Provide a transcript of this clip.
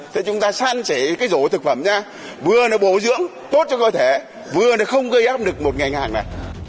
thì chúng ta săn sẻ cái rổ thực phẩm nha vừa nó bổ dưỡng tốt cho cơ thể vừa nó không gây áp lực một ngành hàng mà